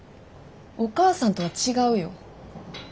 お母さんとは違うよ。